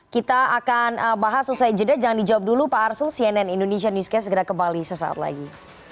kita akan bahas selesai jeda jangan dijawab dulu pak arsul cnn indonesia newscast segera kembali sesaat lagi